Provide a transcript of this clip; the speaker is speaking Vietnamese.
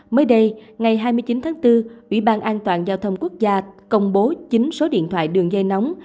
mới đây ngày hai mươi chín tháng bốn ủy ban an toàn giao thông quốc gia công bố chính số điện thoại đường dây nóng